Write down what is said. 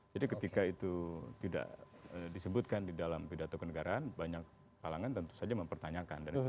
jadi ketika itu tidak disebutkan di dalam pidato kenegaraan banyak kalangan tentu saja mempertanyakan